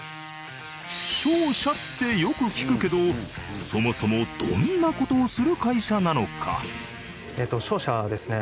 「商社」ってよく聞くけどそもそもどんな事をする会社なのか？